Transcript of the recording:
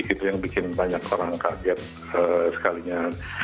itu yang bikin banyak orang kaget sekalinya